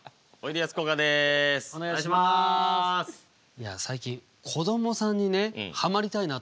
いや最近こどもさんにねはまりたいなと思って。